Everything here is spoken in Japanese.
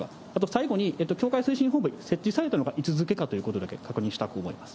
最後に教会推進本部、設置されたのがいつ付けかということだけ確認したく思います。